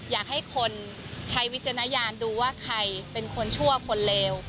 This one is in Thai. อยากให้คนใช้วิจารณญาณดูว่าใครเป็นคนชั่วคนเลว